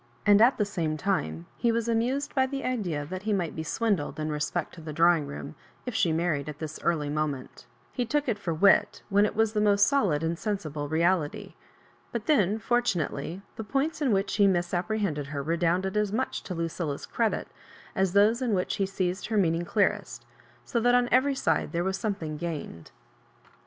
And at the same time he was amused by the idea that he might be swindled in respect to the drawing room, if she married at this early moment He took it for wit, when it was the most solid and sensible reality ; but then, fortunately, the points in which he misap prehended her i^ounded as much to Lucilla's credit, as those in which he seized her meaning clearest, sb that on every side there was some thing gained.